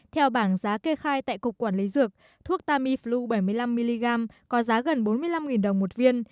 theo bảng giá kê khai tại cục quản lý dược thuốc tamiflu bảy mươi năm mg có giá gần bốn mươi năm đồng một viên